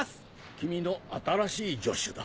君の新しい助手だ。